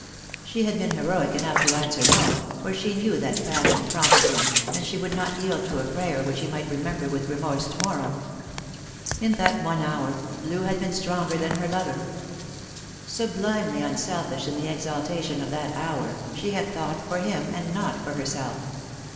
She had been heroic enough to answer ' No,' for she knew that passion prompted him, and she would not yield to a prayer which he might remember with remorse to morrow. In that one hour Loo had been stronger than her lover. Sublimely unselfish in the exalta tion of that hour, she had thought for him and not for herself.